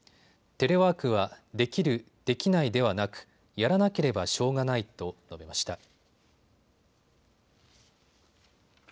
テレワークは、できる、できないではなくやらなければしょうがないと述べました。